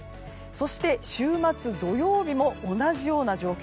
そして週末土曜日も同じような状況。